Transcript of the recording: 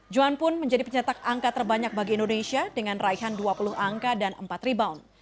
johan pun menjadi pencetak angka terbanyak bagi indonesia dengan raihan dua puluh angka dan empat rebound